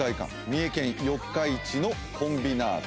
三重県四日市のコンビナート。